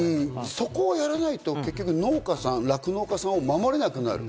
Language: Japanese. そこをやらないと、農家さんや酪農家さんを守れなくなる。